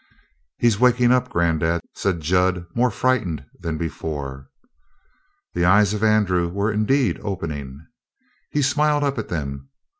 "He's wakin' up, granddad," said Jud, more frightened than before. The eyes of Andrew were indeed opening. He smiled up at them.